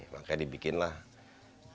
makanya dibikinlah radio